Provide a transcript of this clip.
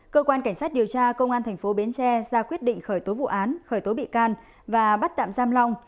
cơ quan cảnh sát điều tra công an thành phố bến tre ra quyết định khởi tố vụ án khởi tố bị can và bắt tạm giam long